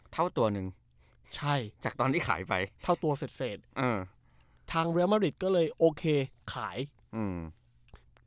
เท่าตัวหนึ่งใช่จากตอนที่ขายไปเท่าตัวเสร็จเสร็จอืมทางเรียลมาริดก็เลยโอเคขายอืม